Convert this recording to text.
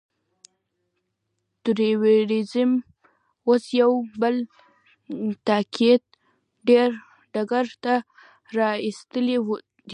تروريزم اوس يو بل تاکتيک ډګر ته را اېستلی دی.